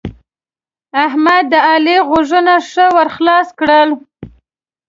احمد؛ د علي غوږونه ښه ور خلاص کړل.